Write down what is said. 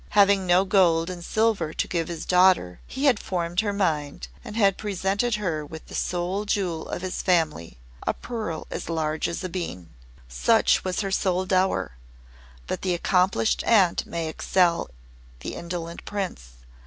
Having no gold and silver to give his daughter, he had formed her mind, and had presented her with the sole jewel of his family a pearl as large as a bean. Such was her sole dower, but the accomplished Aunt may excel the indolent Prince.